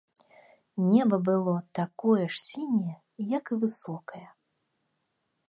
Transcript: Неба было такое ж сіняе, як і высокае.